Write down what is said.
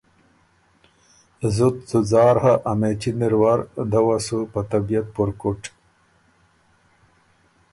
زُت ځُځار هۀ، ا مېچِن اِر ور، دۀ وه سُو په طبیعت پُرکُټ